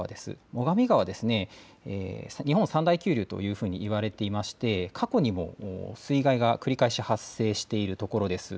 最上川は日本最大級というふうに言われていまして過去にも水害が繰り返し発生している所です。